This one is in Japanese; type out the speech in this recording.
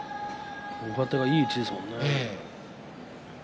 上手がいい位置ですもんね。